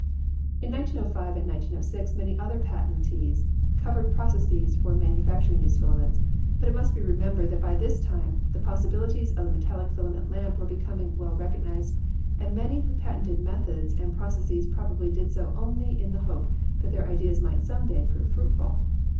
In 1905 and 1906 many other patentees cov ered processes for manufacturing these filaments, but it must be remembered that by this" time the possibilities of the metallic filament lamp were becoming well recognised and many who patented methods and processes probably did so only in the hope that their ideas might some day prove fruitful.